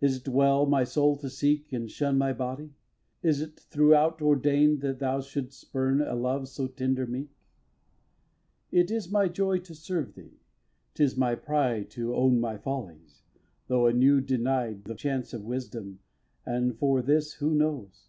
Is't well my soul to seek And shun my body? Is't throughout ordain'd That thou shouldst spurn a love so tender meek? ii. It is my joy to serve thee, 'tis my pride To own my follies, though anew denied The chance of wisdom, and for this, who knows?